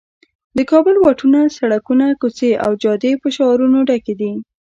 د کابل واټونه، سړکونه، کوڅې او جادې په شعارونو ډک دي.